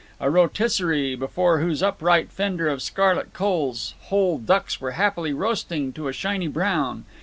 A rotisserie, before whose upright fender of scarlet coals whole ducks were happily roasting to a shiny brown.